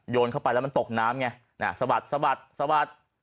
เข้าไปแล้วมันตกน้ำไงสะบัดสะบัดสะบัด